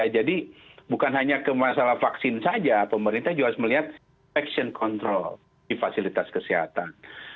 jadi bukan hanya ke masalah vaksin saja pemerintah juga harus melihat action control di fasilitas kesehatan